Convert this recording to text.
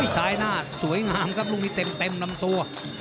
ซ้ายหน้าสวยงามครับลูกนี้เต็มลำตัว